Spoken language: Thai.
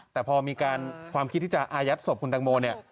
แต่พอมีความคิดที่จะอายักษ์ศพคุณแตงโม